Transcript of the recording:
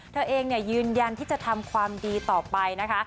เธอเองยืนยันที่จะทำความดีต่อไปนะคะ